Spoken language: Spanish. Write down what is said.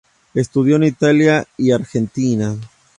Estudió en Italia y Argentina.